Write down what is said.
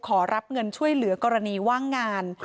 ขอรับเงินช่วยเหลือกรณีว่างงาน